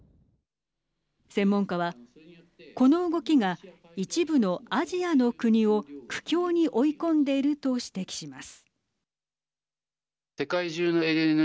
専門家はこの動きが一部のアジアの国を苦境に追い込んでいると指摘します。